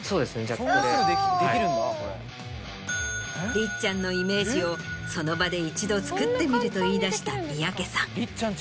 りっちゃんのイメージをその場で一度作ってみると言い出した三宅さん。